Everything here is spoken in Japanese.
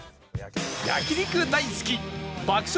焼肉大好き爆食！